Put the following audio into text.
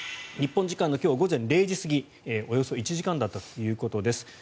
日本時間の今日午前０時過ぎおよそ１時間だったということです。